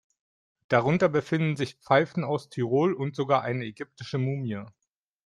Darunter befinden sich Pfeifen aus Tirol und sogar eine ägyptische Mumie.